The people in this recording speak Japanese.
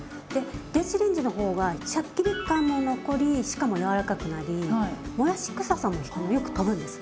電子レンジの方はシャッキリ感も残りしかも軟らかくなりもやしくささもよくとぶんです。